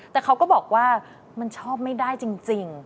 แต่เขาก็บอกว่ามันชอบไม่ได้จริง